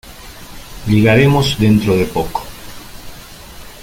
Llegaremos dentro de poco.